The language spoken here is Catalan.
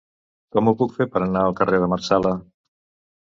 Com ho puc fer per anar al carrer de Marsala?